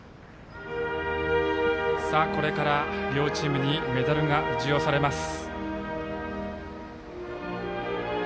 これから両チームにメダルが授与されます。